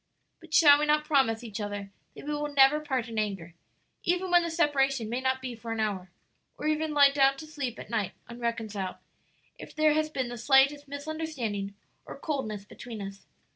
"But shall we not promise each other that we will never part in anger, even when the separation may not be for an hour? or ever lie down to sleep at night unreconciled, if there has been the slightest misunderstanding or coldness between us?"